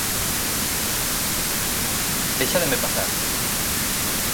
“Deixádeme pasar.